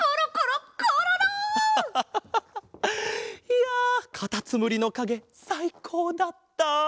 いやカタツムリのかげさいこうだった。